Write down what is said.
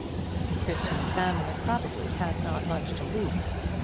The Christian Examiner probably had not much to lose.